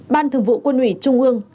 ban thường vụ quân ủy trung ương